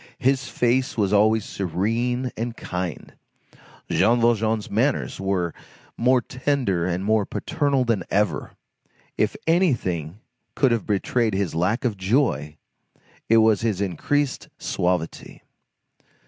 His face was always serene and kind. Jean Valjean's manners were more tender and more paternal than ever. If anything could have betrayed his lack of joy, it was his increased suavity.